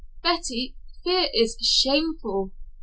Betty, fear is shameful.